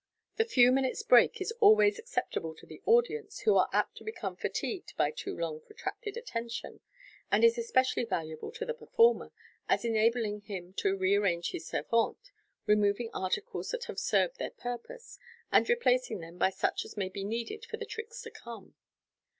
The few minutes' break is always acceptable to the audi ence (who are apt to become fatigued by too long protracted attention), and is especially valuable to the performer, as enabling him to re arrange his servante, removing articles that have served their purpose, and replacing them by such as may be needed for the tricks to come.